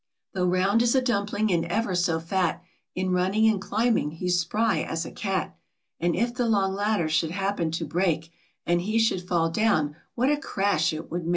Though round as a dumpling, and ever so fat, In running and climbing he's spry as a cat, And if the long ladder should happen (, to break, ^ And he should fall down, what a \• 7 / Jf crash it would make!